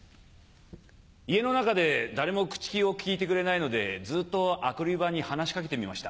家の中で誰も口を利いてくれないのでずっとアクリル板に話し掛けてみました。